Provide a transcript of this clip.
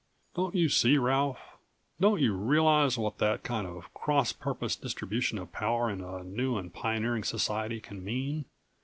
"Don't you see, Ralph, don't you realize what that kind of cross purpose distribution of power in a new and pioneering society can mean?